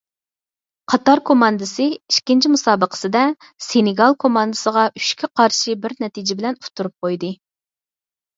قاتار كوماندىسى ئىككىنچى مۇسابىقىسىدە سېنېگال كوماندىسىغا ئۈچكە قارشى بىر نەتىجە بىلەن ئۇتتۇرۇپ قويدى.